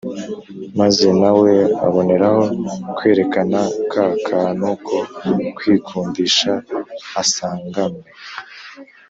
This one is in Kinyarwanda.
maze na we aboneraho kwerekana ka kantu ko kwikundisha asanganwe.